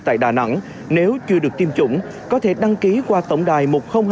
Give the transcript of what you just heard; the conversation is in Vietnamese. tại đà nẵng nếu chưa được tiêm chủng có thể đăng ký qua tổng đài một nghìn hai mươi hai